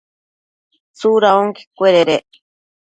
¿tsuda onquecuededec?